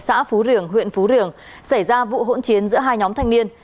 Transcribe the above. xã phú riềng huyện phú riềng xảy ra vụ hỗn chiến giữa hai nhóm thanh niên